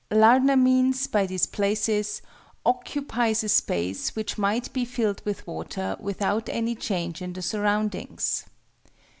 _ Lardner means, by "displaces," "occupies a space which might be filled with water without any change in the surroundings."